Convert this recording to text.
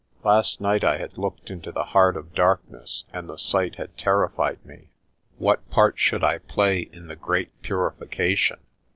Last night I had looked into the heart of darkness and the sight had terrified me. What part should I play in the great purification?